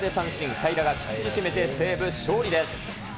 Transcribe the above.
平良がきっちり締めて西武、勝利です。